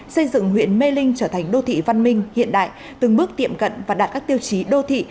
xây dựng huyện mê linh trở thành đô thị văn minh hiện đại từng bước tiệm cận và đạt các tiêu chí đô thị